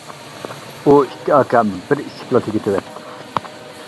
ئۇ ئىككى ئاكام بىر ئىچىپلا تۈگىتىۋەتتى.